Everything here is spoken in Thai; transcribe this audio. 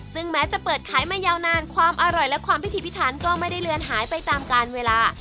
ซึ่งแม้จะเปิดขายมายาวนานความอร่อยและความพิธีพิธานก็ไม่ได้เลือนหายไปตามการเวลา